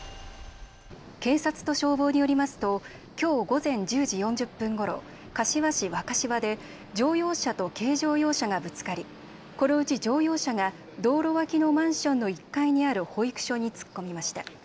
警察と消防によりますときょう午前１０時４０分ごろ柏市若柴で乗用車と軽乗用車がぶつかり、このうち乗用車が道路脇のマンションの１階にある保育所に突っ込みました。